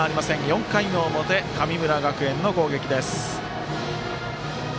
４回の表神村学園の攻撃。